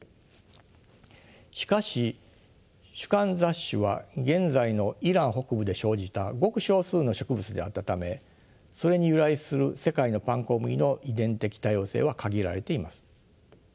しかし種間雑種は現在のイラン北部で生じたごく少数の植物であったためそれに由来する世界のパンコムギの遺伝的多様性は限られています。